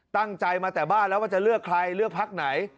ตั้งใจมาแต่บ้านแล้วว่าจะเลือกใครเลือกพักไหน